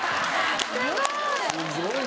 すごい！